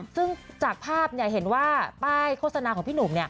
ซึ่งจากภาพเห็นว่าป้ายโฆษณาของพี่หนุ่ม